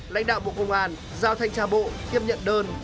lãnh đạo bộ công an giao thanh tra bộ tiếp nhận đơn